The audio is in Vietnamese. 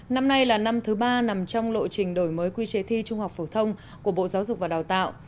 năm nay là năm thứ ba nằm trong lộ trình đổi mới quy chế thi trung học phổ thông của bộ giáo dục và đào tạo